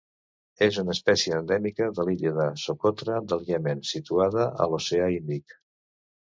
És una espècie endèmica de l'illa de Socotra del Iemen, situada a l'Oceà Índic.